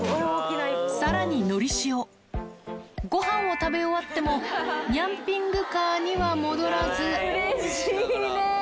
さらに、のりしお、ごはんを食べ終わっても、ニャンピングカーには戻らず。